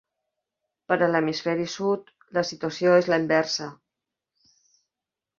Per a l'hemisferi sud la situació és la inversa.